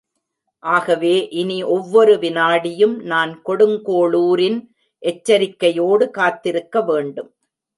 ஆகவே, இனி ஒவ்வொரு விநாடியும் நான் கொடுங்கோளூரின் எச்சரிக்கையோடு காத்திருக்க வேண்டும்.